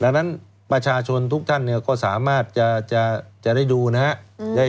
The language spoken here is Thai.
ดังนั้นประชาชนทุกท่านก็สามารถจะได้ดูนะครับ